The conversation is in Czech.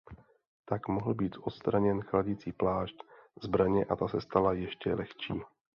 Tak mohl být odstraněn chladicí plášť zbraně a ta se stala ještě lehčí.